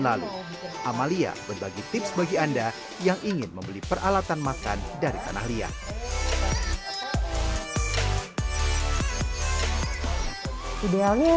lalu amalia berbagi tips bagi anda yang ingin membeli peralatan makan dari tanah liat ideal